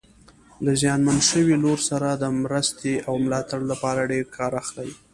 له زیانمن شوي لوري سره د مرستې او ملاتړ لپاره ډېر کار اخلي.